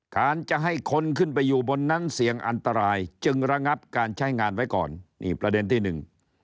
การจะให้คนขึ้นไปอยู่บนนั้นเสี่ยงอันตรายจึงระงับการใช้งานไว้ก่อนนี่ประเด็นที่หนึ่ง